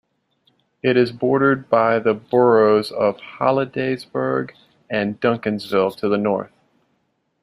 It is bordered by the boroughs of Hollidaysburg and Duncansville to the north.